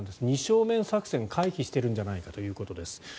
二正面作戦を回避してるんじゃないかということです。